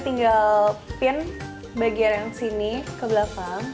tinggal pin bagian yang sini ke belakang